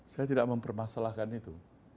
saya tidak mempermasalahkan itu